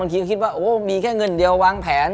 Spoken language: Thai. คิดว่าโอ้มีแค่เงินเดียววางแผน